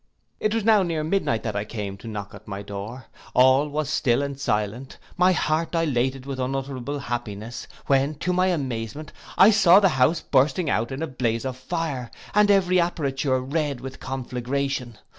It was now near mid night that I came to knock at my door: all was still and silent: my heart dilated with unutterable happiness, when, to my amazement, I saw the house bursting out in a blaze of fire, and every apperture red with conflagration!